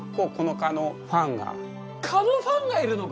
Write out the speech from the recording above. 蚊のファンがいるのか！